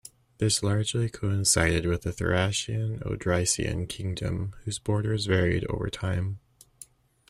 This largely coincided with the Thracian Odrysian kingdom, whose borders varied over time.